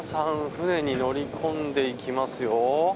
船に乗り込んでいきますよ。